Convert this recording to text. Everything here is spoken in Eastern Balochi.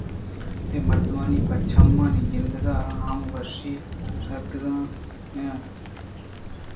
اے مردمانی پہ چمے گندگ ہم وشی ءُ شاتکامی ئے اَنت